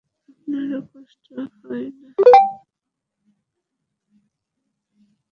আপনারও কষ্ট হয় না?